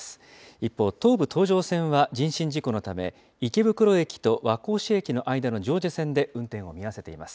一方、東武東上線は人身事故のため、池袋駅と和光市駅の間の上下線で運転を見合わせています。